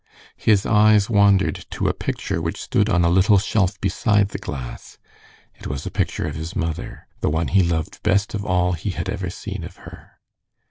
His eyes wandered to a picture which stood on a little shelf beside the glass. It was a picture of his mother, the one he loved best of all he had ever seen of her.